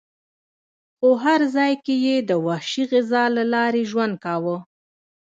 خو هر ځای کې یې د وحشي غذا له لارې ژوند کاوه.